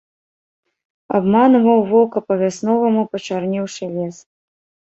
Абманваў вока па-вясноваму пачарнеўшы лес.